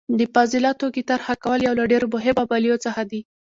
د فاضله توکي طرحه کول یو له ډیرو مهمو عملیو څخه دي.